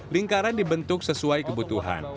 lingkaran dibentuk sesuai kebutuhan